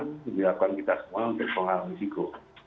yang dilakukan kita semua untuk menghalangi risiko